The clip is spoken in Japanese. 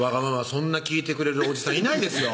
そんな聞いてくれるおじさんいないですよ